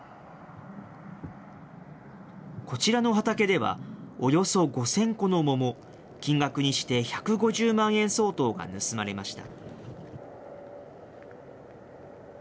こちらの畑では、およそ５０００個の桃、金額にして１５０万円相当が盗まれました。